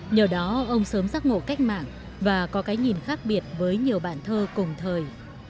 nhờ đó ông sớm giác ngộ cách mạng và có cái nhìn khác biệt với nhiều bạn thơ cùng thời